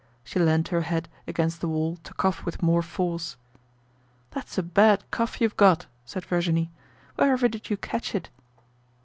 She leant her head against the wall to cough with more force. "That's a bad cough you've got," said Virginie. "Wherever did you catch it?"